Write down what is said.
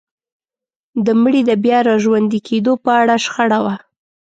د مړي د بيا راژوندي کيدو په اړه شخړه وه.